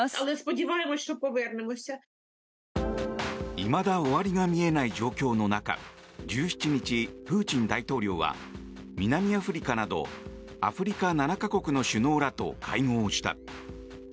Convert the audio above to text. いまだ終わりが見えない状況の中１７日、プーチン大統領は南アフリカなどアフリカ７か国の首脳らと会合した。